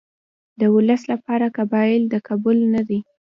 د ولس لپاره قابل د قبول نه دي.